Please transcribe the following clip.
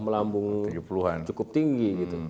melambung cukup tinggi